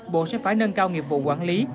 bộ sẽ phải nâng cao nghiệp vụ quản lý